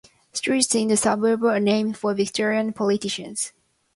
Streets in the suburb are named for Victorian politicians.